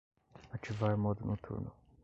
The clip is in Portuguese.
Ativar modo notuno.